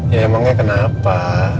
ya emangnya kenapa